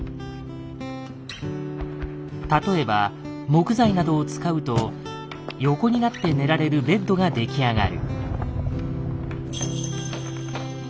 例えば木材などを使うと横になって寝られるベッドが出来上がる。